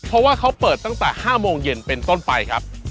เพราะว่าเขาเปิดตั้งแต่๕โมงเย็นเป็นต้นไปครับ